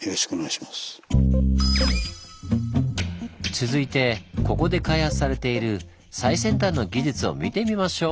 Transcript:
続いてここで開発されている最先端の技術を見てみましょう！